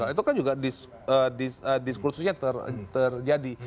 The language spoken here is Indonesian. itu kan juga diskursusnya terjadi